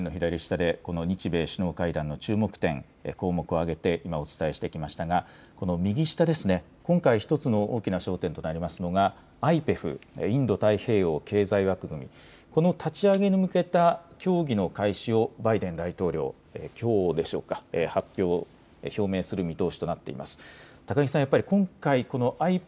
そして今、画面の左下でこの日米首脳会談の注目点項目を挙げて今、お伝えしてきましたが、この右下、今回１つの大きな焦点となりますのがＩＰＥＦ・インド太平洋経済枠組み、この立ち上げに向けた協議の開始をバイデン大統領、きょうでしょうか、発表を表明する見通しとなっています。